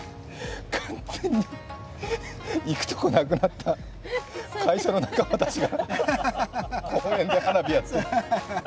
完全に行くところがなくなった会社の仲間たちがこの辺で花火やってる。